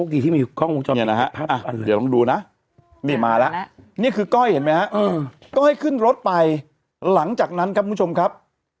เดี๋ยวลองดูนะนี่มาแล้วนี่คือก้อยเห็นไหมฮะก้อยขึ้นรถไปหลังจากนั้นครับคุณผู้ชมครับ